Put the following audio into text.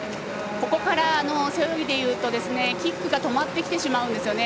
ここから背泳ぎでいうとキックが止まってきてしまうんですよね。